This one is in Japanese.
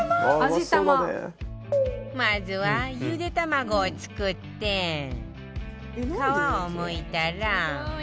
まずはゆで卵を作って殻をむいたら